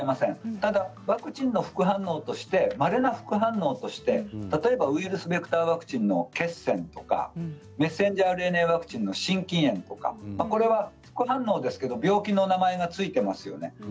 ただワクチンの副反応としてまれな副反応として例えばウイルスベクターワクチンの血栓とかメッセンジャーＲＮＡワクチンの心筋炎とかこれは副反応ですけど病気の名前が付いていますよね。